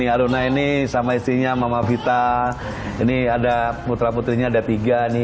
artinya kita harus berhati hati